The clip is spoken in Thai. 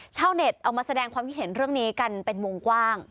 ชาวเน็ตเอามาแสดงความคิดเห็นเรื่องนี้กันเป็นวงกว้าง